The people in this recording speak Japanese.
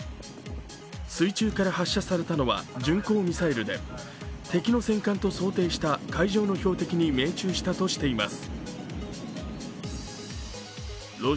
水中から発射されたのは巡航ミサイルで敵の戦艦と想定した海上の標的に命中したとしています。